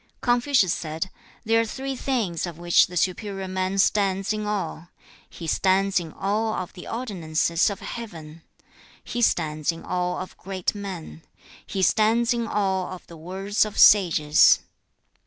Confucius said, 'There are three things of which the superior man stands in awe. He stands in awe of the ordinances of Heaven. He stands in awe of great men. He stands in awe of the words of sages.